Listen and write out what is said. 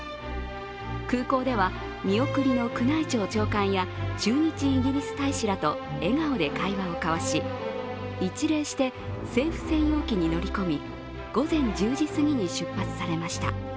空港では見送りの宮内庁長官や駐日イギリス大使らと笑顔で会話を交わし、一礼して政府専用機に乗り込み午前１０時すぎに出発されました。